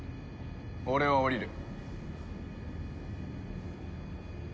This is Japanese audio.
俺は降りる。